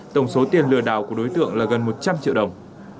tổng số tiền lừa đảo của đối tượng là gần một trăm linh triệu đồng